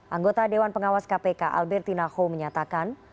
anggota dewan pengawas kpk albertina ho menyatakan